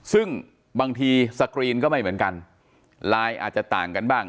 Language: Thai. ซึ่งบางทีสกรีนก็ไม่เหมือนกันไลน์อาจจะต่างกันบ้าง